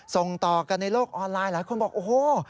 ส่งต่อกันในโลกออนไลน์หลายคนบอกโอ้โห